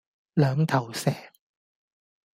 兩頭蛇